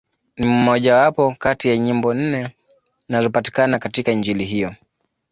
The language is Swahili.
Ni mmojawapo kati ya nyimbo nne zinazopatikana katika Injili hiyo.